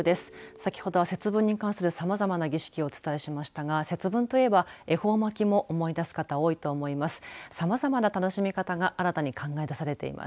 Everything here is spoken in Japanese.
先ほどは節分に関するさまざまな儀式をお伝えしましたが、節分といえば恵方巻きも思い出す方、多いと思います。